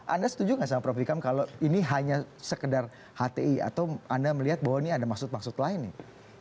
anda setuju nggak sama prof ikam kalau ini hanya sekedar hti atau anda melihat bahwa ini ada maksud maksud lain nih